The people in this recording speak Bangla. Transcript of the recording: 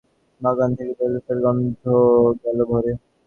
বাগান থেকে বেলফুলের গন্ধে ঘর গেল ভরে।